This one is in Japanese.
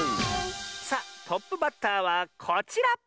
さあトップバッターはこちら！